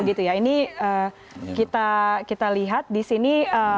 ini kita lihat di sini